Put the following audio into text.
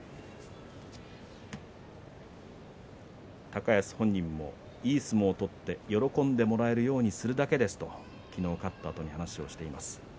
高安本人も、いい相撲を取って喜んでもらえるようにするだけですと昨日勝ったあとに話をしていました。